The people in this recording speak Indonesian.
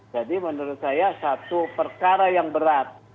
jadi menurut saya satu perkara yang berat